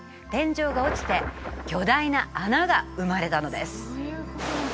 天井が落ちて巨大な穴が生まれたのです